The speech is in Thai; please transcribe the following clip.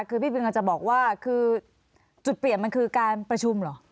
คือพี่บีนก็จะบอกว่าจุดเปลี่ยนมันคือการประชุมหรอ